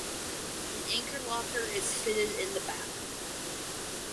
An anchor locker is fitted in the bow.